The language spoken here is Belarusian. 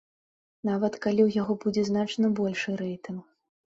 Нават калі ў яго будзе значна большы рэйтынг.